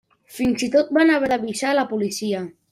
Fins i tot van haver d'avisar la policia.